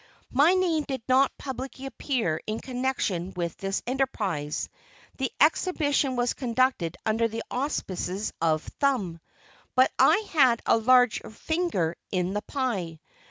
My name did not publicly appear in connection with this enterprise the exhibition was conducted under the auspices of "Thumb," but I had a large "finger in the pie."